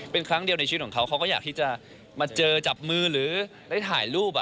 เป็นครั้งเดียวในชีวิตของเขาเขาก็อยากที่จะมาเจอจับมือหรือได้ถ่ายรูป